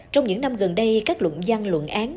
trong những năm gần đây các luận gian luận án